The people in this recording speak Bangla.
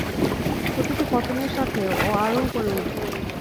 প্রতিটি পতনের সাথে, ও আরও উপরে উঠবে।